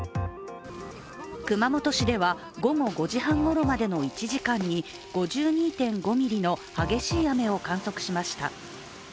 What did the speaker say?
熊本市では、午後５時半ごろまでの１時間に５２．５ミリの激しい雨を観測しました。